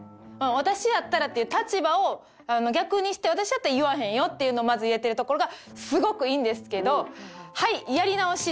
「私やったら」っていう立場を逆にして私やったら言わへんよっていうのをまず言えてるところがすごくいいんですけど「はい！やり直し！」